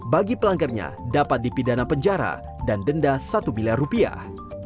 bagi pelanggarnya dapat dipidana penjara dan denda satu miliar rupiah